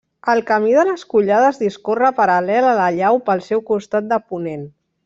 El Camí de les Collades discorre paral·lel a la llau pel seu costat de ponent.